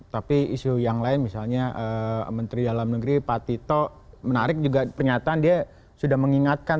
tapi isu yang lain misalnya menteri dalam negeri pak tito menarik juga pernyataan dia sudah mengingatkan